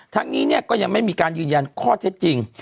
ทั้งนี้ก็ยังไม่มีการยืนยันข้อเท็จจริง